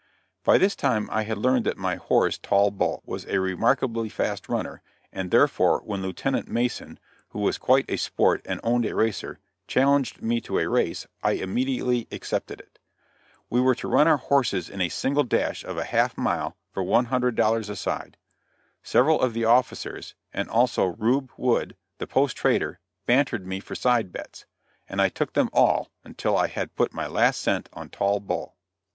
By this time I had learned that my horse Tall Bull was a remarkably fast runner, and therefore when Lieutenant Mason, who was quite a sport and owned a racer, challenged me to a race, I immediately accepted it. We were to run our horses a single dash of half a mile for one hundred dollars a side. Several of the officers, and also Reub. Wood, the post trader, bantered me for side bets, and I took them all until I had put up my last cent on Tall Bull.